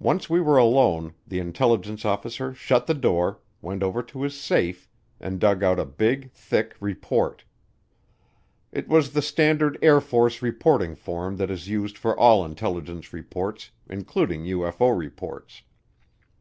Once we were alone, the intelligence officer shut the door, went over to his safe, and dug out a big, thick report. It was the standard Air Force reporting form that is used for all intelligence reports, including UFO reports.